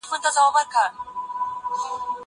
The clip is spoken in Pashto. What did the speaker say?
زه پرون ليک لولم وم!؟